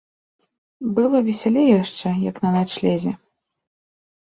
Было весялей яшчэ, як на начлезе.